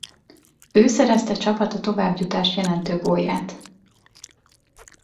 Ő szerezte csapata továbbjutást jelentő gólját.